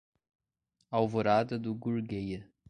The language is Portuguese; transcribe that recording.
Alvorada do Gurgueia